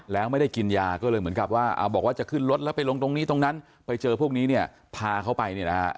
แล้วไม่ได้กินยาก็เลยเหมือนกับว่าบอกว่าจะขึ้นรถแล้วไปลงตรงนี้ตรงนั้นไปเจอพวกนี้เนี่ยพาเขาไปเนี่ยนะฮะ